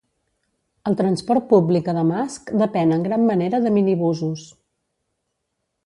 El transport públic a Damasc depèn en gran manera de minibusos.